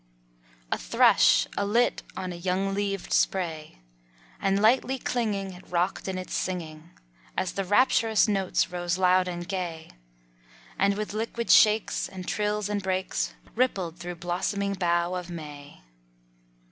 A THRUSH alit on a young leaved spray, And, lightly clinging, It rocked in its singing As the rapturous notes rose loud and gay; And with liquid shakes, And trills and breaks, Rippled though blossoming bough of May.